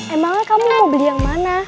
emangnya kamu mau beli yang mana